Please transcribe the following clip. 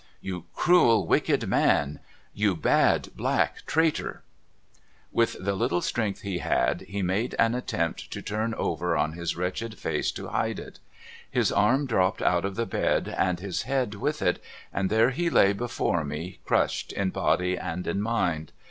* You cruel wicked man ! You bad black traitor !' With the little strength he had, he made an attempt to turn over on his wretched face to hide it. His arm dropped out of the bed and his head with it, and there he lay before me crushed in body and in mind.